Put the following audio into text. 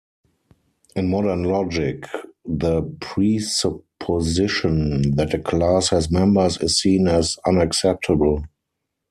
In modern logic, the presupposition that a class has members is seen as unacceptable.